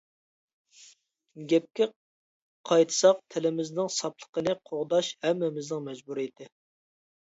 گەپكە قايتساق تىلىمىزنىڭ ساپلىقىنى قوغداش ھەممىمىزنىڭ مەجبۇرىيىتى!